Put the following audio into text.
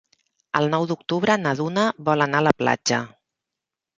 El nou d'octubre na Duna vol anar a la platja.